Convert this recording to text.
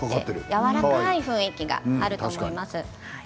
やわらかい雰囲気があると思います。